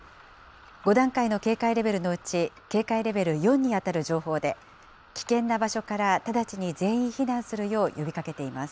５段階の警戒レベルのうち、警戒レベル４に当たる情報で、危険な場所から直ちに全員避難するよう呼びかけています。